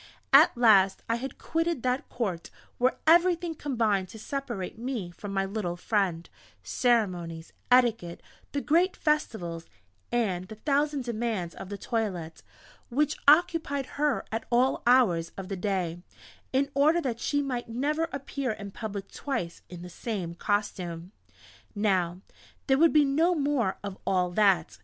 At last I had quitted that Court where everything combined to separate me from my little friend ceremonies, etiquette, the great festivals, and the thousand demands of the toilette, which occupied her at all hours of the day, in order that she might never appear in public twice in the same costume. Now, there would be no more of all that.